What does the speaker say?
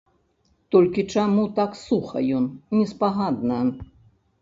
Толькі чаму так суха ён, неспагадна?